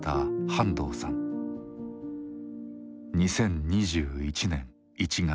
２０２１年１月。